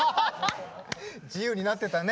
自由になってたね。